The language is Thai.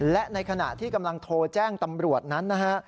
และในขณะที่กำลังโทรแจ้งตำรวจนั้นนะฮะ